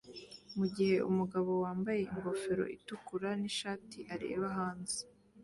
mugihe umugabo wambaye ingofero itukura nishati areba hanze